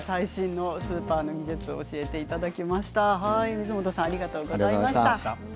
水元さんありがとうございました。